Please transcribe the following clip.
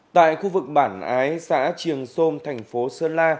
tại khu vực bản ái xã triềng sôm tp sơn la